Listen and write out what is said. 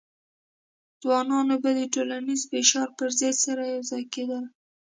ځوانان به د ټولنیز فشار پر ضد سره یوځای کېدل.